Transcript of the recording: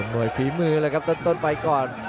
ฝีมือเลยครับต้นไปก่อน